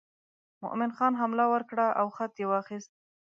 مومن خان حمله ور کړه او خط یې واخیست.